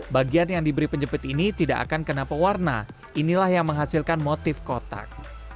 bagian yang diberi penjepit ini tidak akan kena pewarna inilah yang menghasilkan motif kotak